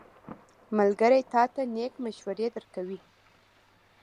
ملګری تا ته نېک مشورې درکوي.